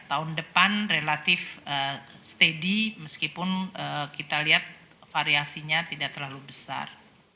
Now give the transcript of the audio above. tahun depan relatif steady meskipun kita lihat variasinya tidak terlalu besar